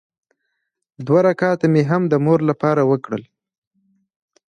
دوه رکعته مې هم د مور لپاره وکړل.